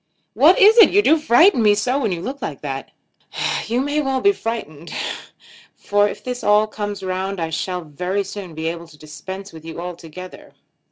"What is it? You do frighten me so when you look like that." "You may well be frightened, for if this all comes round I shall very soon be able to dispense with you altogether.